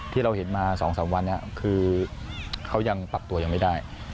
ที่เราเห็นมา๒๓วันนี้คือเขายังปรับตัวยังไม่ได้